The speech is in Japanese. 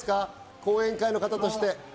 後援会の方として。